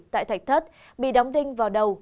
tại thạch thất bị đóng đinh vào đầu